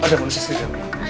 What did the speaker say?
ada manusia segala